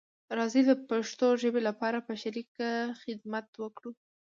راځی د پښتو ژبې لپاره په شریکه خدمت وکړو